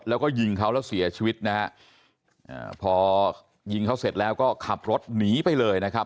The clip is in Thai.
แล้วก็ยิงเขาแล้วเสียชีวิตนะฮะอ่าพอยิงเขาเสร็จแล้วก็ขับรถหนีไปเลยนะครับ